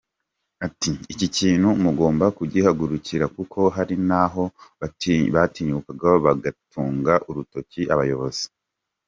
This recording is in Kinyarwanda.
Ati « Iki kintu mugomba kugihagurukira kuko hari n’aho batinyukaga bagatunga urutoki abayobozi.